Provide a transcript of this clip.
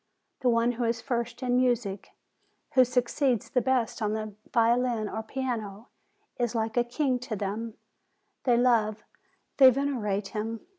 The one who is first in music, who succeeds the best on the violin or piano, is like a king to them ; they love, they venerate him.